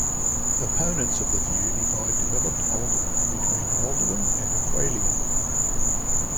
Opponents of the view divide Developed Oldowan between Oldowan and Acheulean.